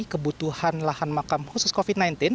kebutuhan lahan makam khusus covid sembilan belas